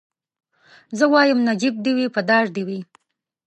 زه وايم نجيب دي وي په دار دي وي